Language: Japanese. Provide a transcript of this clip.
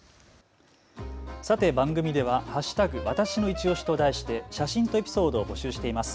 さて、番組では＃わたしのいちオシと題して写真とエピソードを募集しています。